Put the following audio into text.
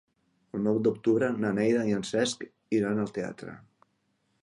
El nou d'octubre na Neida i en Cesc iran al teatre.